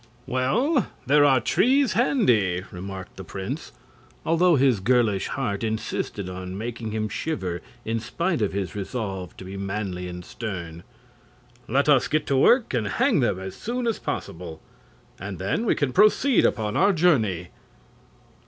"Well, there are trees handy," remarked the prince, although his girlish heart insisted on making him shiver in spite of his resolve to be manly and stern. "Let us get to work and hang them as soon as possible. And then we can proceed upon our journey."